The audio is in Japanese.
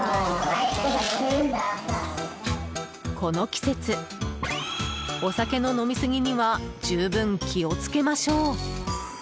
この季節、お酒の飲み過ぎには十分気をつけましょう。